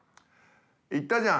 言ったじゃん